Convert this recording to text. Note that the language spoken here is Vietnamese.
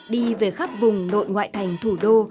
đi về khắp vùng nội ngoại thành thủ đô